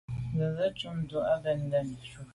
Nzenze tshob ndù à bèn jù fen.